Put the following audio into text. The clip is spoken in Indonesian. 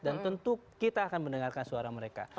dan tentu kita akan mendengarkan suara mereka